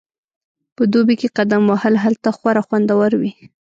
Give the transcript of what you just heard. په دوبي کې قدم وهل هلته خورا خوندور وي